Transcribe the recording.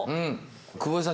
久保井さん